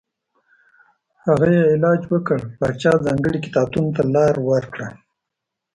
هغه یې علاج وکړ پاچا ځانګړي کتابتون ته لاره ورکړه.